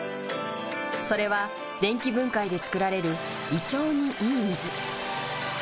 それは電気分解で作られる胃腸にいい水。